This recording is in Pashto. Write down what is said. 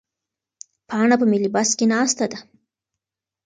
پاڼه په ملي بس کې ناسته ده.